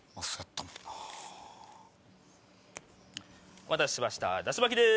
お待たせしましたダシ巻きです。